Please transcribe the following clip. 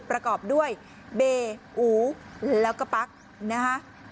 ประกอบด้วยเบอูแล้วก็ปั๊กนะฮะ